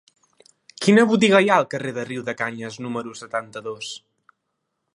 Quina botiga hi ha al carrer de Riudecanyes número setanta-dos?